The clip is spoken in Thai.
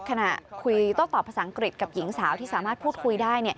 ขณะคุยโต้ตอบภาษาอังกฤษกับหญิงสาวที่สามารถพูดคุยได้